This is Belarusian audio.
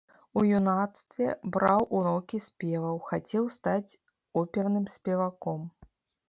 У юнацтве браў урокі спеваў, хацеў стаць оперным спеваком.